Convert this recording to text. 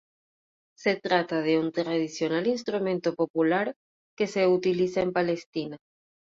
Se trata de un tradicional instrumento popular que se utiliza en Palestina.